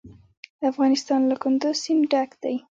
افغانستان له کندز سیند ډک دی.